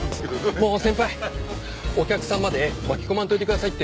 もう先輩お客さんまで巻き込まんといてくださいって。